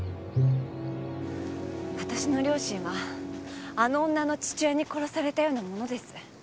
私の両親はあの女の父親に殺されたようなものです。